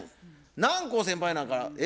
南光先輩なんかえ？